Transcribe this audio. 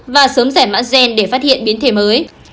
và sớm giải mã gen để phát hiện biến thể mới